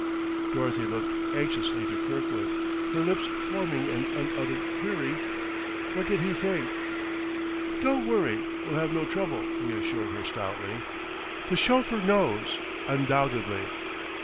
Dorothy looked anxiously to Kirkwood, her lips forming an unuttered query: What did he think? "Don't worry; we'll have no trouble," he assured her stoutly; "the chauffeur knows, undoubtedly."